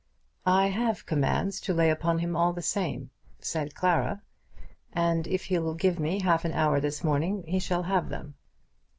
"I have commands to lay upon him all the same," said Clara; "and if he will give me half an hour this morning he shall have them."